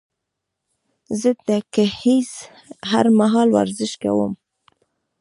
زه د ګهيځ هر مهال ورزش کوم